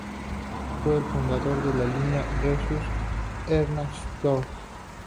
Fue el fundador de la línea de Reuss-Ebersdorf.